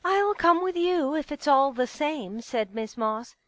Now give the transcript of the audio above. ril come with you, if it's all the saMe," said Miss Moss.